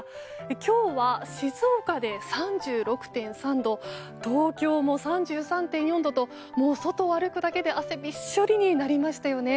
今日は静岡で３６．３度東京も３３．４度と外を歩くだけで汗びっしょりになりましたよね。